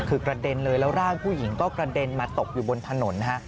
คือกระเด็นเลยแล้วร่างผู้หญิงก็กระเด็นมาตกอยู่บนถนนนะฮะ